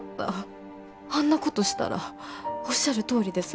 あんなことしたらおっしゃるとおりです